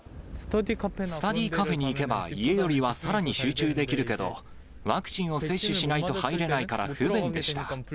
スタディーカフェに行けば、家よりはさらに集中できるけど、ワクチンを接種しないと入れないから不便でした。